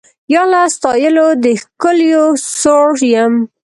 یا له ستایلو د ښکلیو سوړ یم